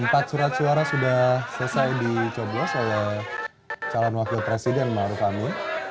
empat surat suara sudah selesai dicoblos oleh calon wakil presiden maruka amin